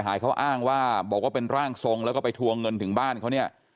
หายเขาอ้างว่าบอกว่าเป็นร่างทรงแล้วก็ไปทวงเงินถึงบ้านเขาเนี่ย